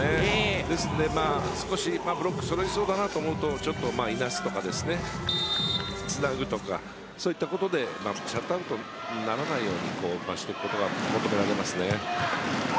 ですので、少しブロックきそうだなと思うとちょっといなすとかつなぐとかそういったことでシャットアウトにならないようにしていくことが求められますね。